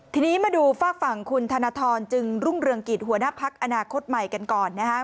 ทีนี้มาดูฝากฝั่งคุณธนทรจึงรุ่งเรืองกิจหัวหน้าพักอนาคตใหม่กันก่อน